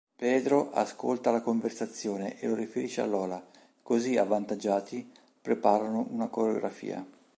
Pedro ascolta la conversazione e lo riferisce a Lola così, avvantaggiati, preparano una coreografia.